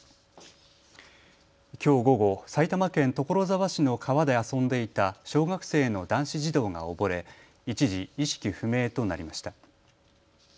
きょう午後、埼玉県所沢市の川で遊んでいた小学生の男子児童が溺れ、一時、意識不明となりました。